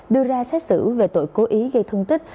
đưa ra xét xử về tội cố ý gây thương tích